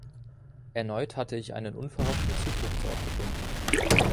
Erneut hatte ich einen unverhofften Zufluchtsort gefunden.